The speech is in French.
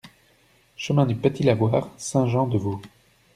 Chemin du Petit Lavoir, Saint-Jean-de-Vaux